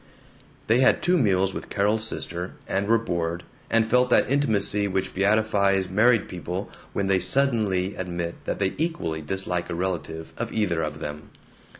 They had two meals with Carol's sister, and were bored, and felt that intimacy which beatifies married people when they suddenly admit that they equally dislike a relative of either of them.